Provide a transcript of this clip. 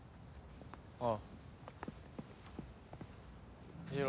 ああ。